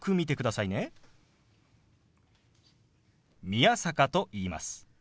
宮坂と言います。